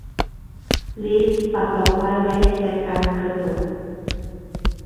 ลิซปักดอกไม้ไว้ในแจกันกระจก